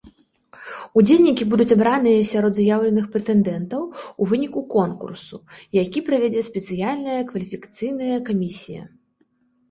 Удзельнікі будуць абраныя сярод заяўленых прэтэндэнтаў у выніку конкурсу, які правядзе спецыяльная кваліфікацыйная камісія.